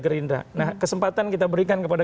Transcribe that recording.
gerindra nah kesempatan kita berikan kepada